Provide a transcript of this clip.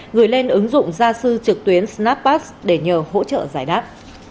gửi lên ứng dụng gia sư trực tuyến snappass để nhờ hỗ trợ giải đáp